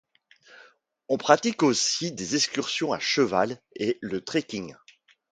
On pratique aussi des excursions à cheval et le trekking.